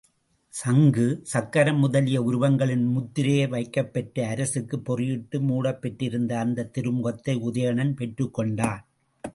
சங்கு, சக்கரம் முதலிய உருவங்களின் முத்திரை வைக்கப்பெற்று அரக்குப் பொறியிட்டு மூடப்பெற்றிருந்த அந்தத் திருமுகத்தை உதயணன் பெற்றுக்கொண்டான்.